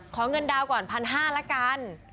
เงินดาวก่อน๑๕๐๐ละกัน